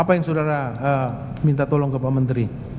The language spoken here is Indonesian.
apa yang saudara minta tolong ke pak menteri